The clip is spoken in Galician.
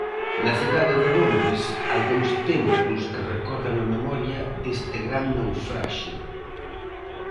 Na cidade de Londres hai dous templos que recordan a memoria deste gran naufraxio.